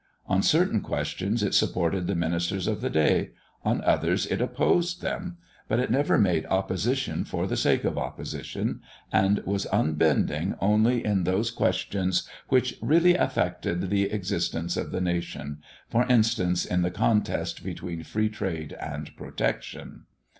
On certain questions it supported the ministers of the day, on others it opposed them; but it never made opposition for the sake of opposition, and was unbending only in those questions which really affected the existence of the nation, for instance, in the contest between Free Trade and Protection.